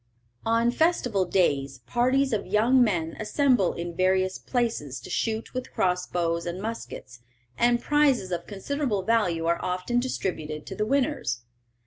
"On festival days, parties of young men assemble in various places to shoot with cross bows and muskets, and prizes of considerable value are often distributed to the winners.